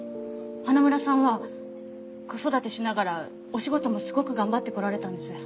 花村さんは子育てしながらお仕事もすごく頑張ってこられたんです。